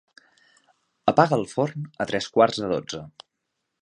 Apaga el forn a tres quarts de dotze.